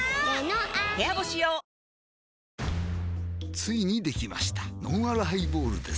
ついにできましたのんあるハイボールです